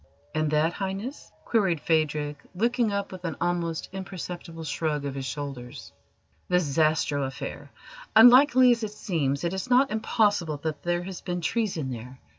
"And that, Highness?" queried Phadrig, looking up with an almost imperceptible shrug of his shoulders. "The Zastrow affair. Unlikely as it seems, it is not impossible that there has been treason there.